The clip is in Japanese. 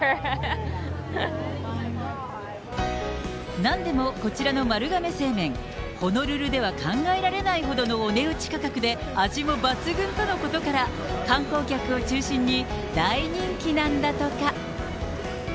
なんでもこちらの丸亀製麺、ホノルルでは考えられないほどのお値打ち価格で、味も抜群とのことから、観光客を中心に、大人気なんだとか。